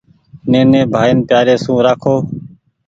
نيني ڀآئين پيآري سون رآکو ۔